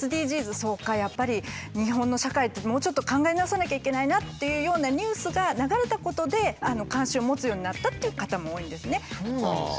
そうかやっぱり日本の社会ってもうちょっと考え直さなきゃいけないなっていうようなニュースが流れたことで関心を持つようになったっていう方も多いんですね。